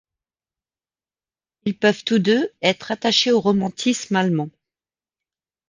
Ils peuvent tous deux être rattachés au romantisme allemand.